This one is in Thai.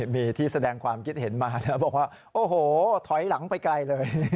มีที่แสดงความคิดเห็นมานะบอกว่าโอ้โหถอยหลังไปไกลเลย